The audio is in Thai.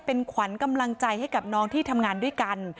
เป็นขวัญกำลังใจให้กับน้องที่ทำงานด้วยกัน